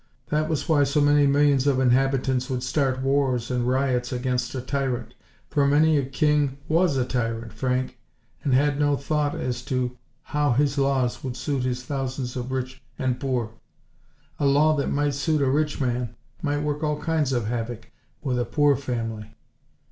That was why so many millions of inhabitants would start wars and riots against a tyrant; for many a King was a tyrant, Frank, and had no thought as to how his laws would suit his thousands of rich and poor. A law that might suit a rich man, might work all kinds of havoc with a poor family."